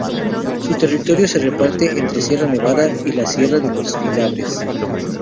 Su territorio se reparte entre Sierra Nevada y la Sierra de los Filabres.